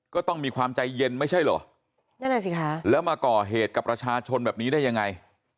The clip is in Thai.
ก็ต้องมีความใจเย็นไม่ใช่เหรอนั่นแหละสิคะแล้วมาก่อเหตุกับประชาชนแบบนี้ได้ยังไง